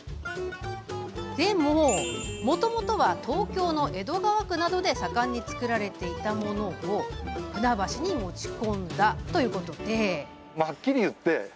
でも、もともとは東京の江戸川区などで盛んに作られていたものを船橋に持ち込んだそうで。